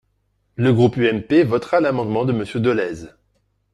Le groupe UMP votera l’amendement de Monsieur Dolez.